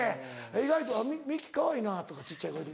「意外とミッキーかわいいな」とか小っちゃい声で。